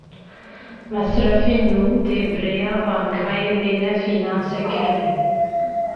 Mesrefên nû dê bi rêya bankayê bêne fînansekirin.